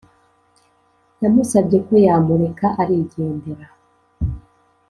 yamusabye ko yamureka aligendera